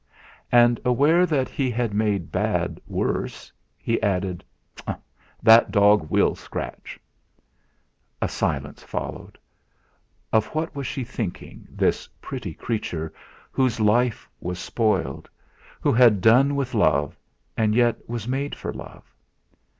And, aware that he had made bad worse, he added: "That dog will scratch." A silence followed. Of what was she thinking, this pretty creature whose life was spoiled; who had done with love, and yet was made for love?